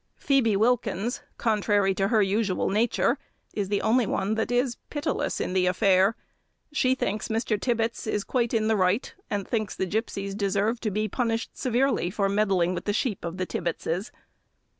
Phoebe Wilkins, contrary to her usual nature, is the only one that is pitiless in the affair. She thinks Mr. Tibbets quite in the right; and thinks the gipsies deserve to be punished severely for meddling with the sheep of the Tibbetses.